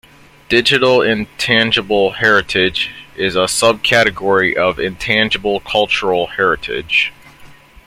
Digital intangible heritage is a sub-category of Intangible Cultural Heritage.